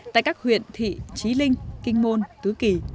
tại các huyện thị trí linh kinh môn tứ kỳ